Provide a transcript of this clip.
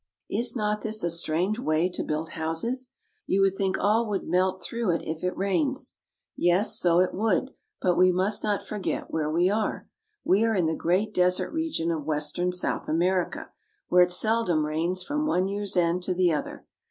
Is not this a strange way to build houses? You would think all would melt through if it rains. Yes, so it would, but we must not forget where we are. We are in the great desert region of western South America, where it seldom rains from one year's end to the other.